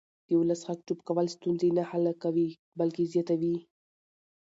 د ولس غږ چوپ کول ستونزې نه حل کوي بلکې زیاتوي